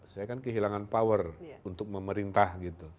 saya kan kehilangan kekuatan untuk memerintah